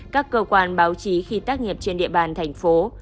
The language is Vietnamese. các cơ quan báo chí khi tác nghiệp trên địa bàn thành phố